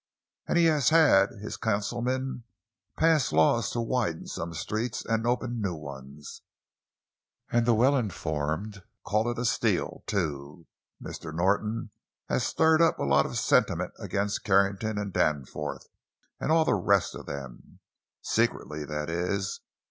And he has had his councilmen pass laws to widen some streets and open new ones. And the well informed call it a steal, too. Mr. Norton has stirred up a lot of sentiment against Carrington and Danforth, and all the rest of them. Secretly, that is.